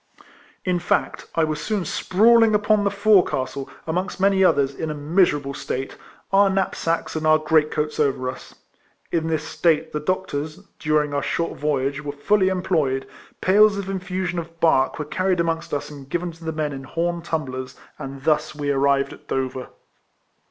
In fact I was soon sprawling upon the forecastle, amongst many others, in a 260 RECOLLECTIONS OF miserable state, our knapsacks and our great coats over us. In this state the doctors, during our short voyage, wei*e fully em ployed ; pails of infusion of bark were carried amongst us and given to the men in horn tumblers, and thus we arrived at Dover.